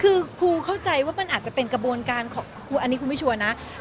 คือครูเข้าใจว่ามันอาจจะเป็นกระบวนการของครูอันนี้ครูไม่ชัวร์นะ